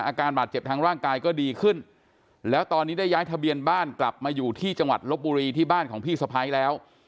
อาการบาดเจ็บทางร่างกายก็ดีขึ้นแล้วตอนนี้ได้ย้ายทะเบียนบ้านกลับมาอยู่ที่จังหวัดลบบุรีที่บ้านของพี่สะพ้ายแล้ว